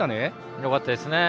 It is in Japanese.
よかったですね。